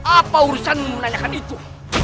apa urusanmu menanyakan itu